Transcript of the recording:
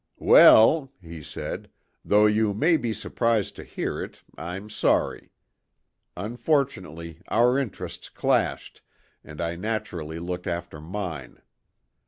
"Well," he said, "though you may be surprised to hear it, I'm sorry. Unfortunately, our interests clashed, and I naturally looked after mine.